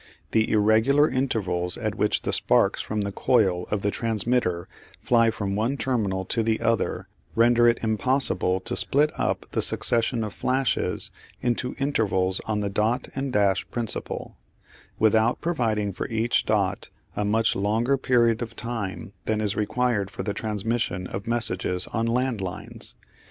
The irregular intervals at which the sparks from the coil of the transmitter fly from one terminal to the other render it impossible to split up the succession of flashes into intervals on the dot and dash principle, without providing for each dot a much longer period of time than is required for the transmission of messages on land lines.